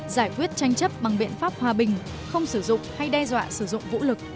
giải quyết tranh chấp bằng biện pháp hòa bình không sử dụng hay đe dọa sử dụng vũ lực